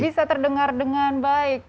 bisa terdengar dengan baik